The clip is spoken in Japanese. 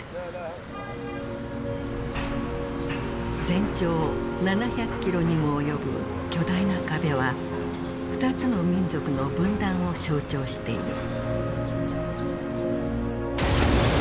全長７００キロにも及ぶ巨大な壁は２つの民族の分断を象徴している。